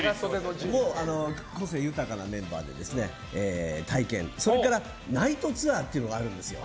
個性豊かなメンバーで体験、それからナイトツアーがあるんですよ。